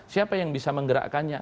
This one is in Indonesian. siapa yang bisa menggerakkannya